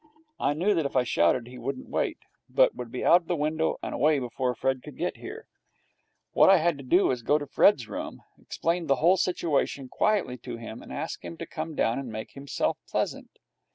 I knew that if I shouted he wouldn't wait, but would be out of the window and away before Fred could get there. What I had to do was to go to Fred's room, explain the whole situation quietly to him, and ask him to come down and make himself pleasant.